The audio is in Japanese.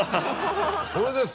これです。